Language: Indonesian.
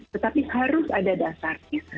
tetapi harus ada dasarnya